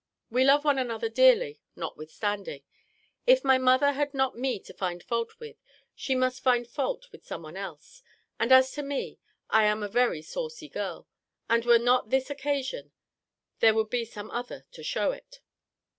We love one another dearly notwithstanding. If my mother had not me to find fault with, she must find fault with somebody else. And as to me, I am a very saucy girl; and were not this occasion, there would be some other, to shew it.